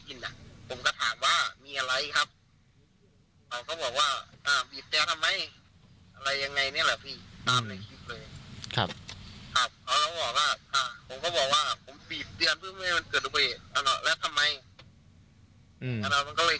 คุณผู้ชมส่งข้อความมาในเพจเฟซบุ๊กไทรรัชน์ช่วยเยอะมากเลย